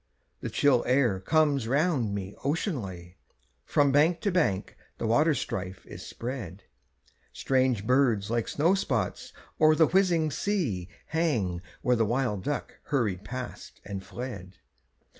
The chill air comes around me oceanly, From bank to bank the waterstrife is spread; Strange birds like snowspots oer the whizzing sea Hang where the wild duck hurried past and fled.